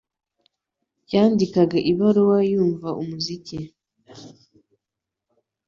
Yandikaga ibaruwa yumva umuziki.